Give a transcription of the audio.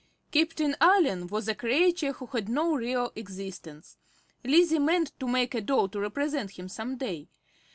Captain Allen was a creature who had no real existence. Lizzie meant to make a doll to represent him some day.